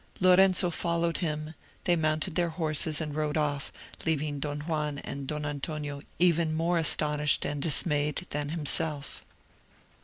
Lorenzo followed him; they mounted their horses and rode off, leaving Don Juan and Don Antonio even more astonished and dismayed than himself.